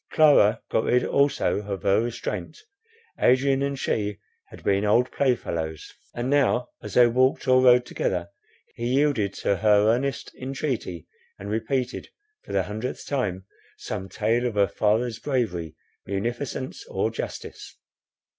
Clara got rid also of her restraint; Adrian and she had been old playfellows; and now, as they walked or rode together, he yielded to her earnest entreaty, and repeated, for the hundredth time, some tale of her father's bravery, munificence, or justice.